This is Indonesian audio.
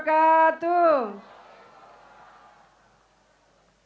assalamualaikum warahmatullahi wabarakatuh